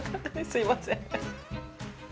すみません。